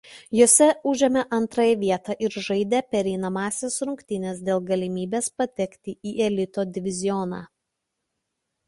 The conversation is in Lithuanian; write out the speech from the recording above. Jose užėmė antrą vietą ir žaidė pereinamąsias rungtynes dėl galimybės patekti į elito divizioną.